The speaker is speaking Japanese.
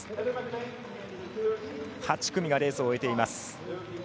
８組がレースを終えています。